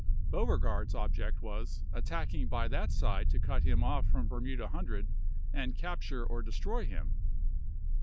Beauregard's object was, attacking by that side to cut him off from Ber muda Hundred and capture or destroy him.